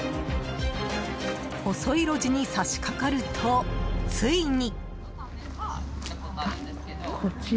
細い路地に差しかかるとついに。